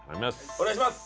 お願いします！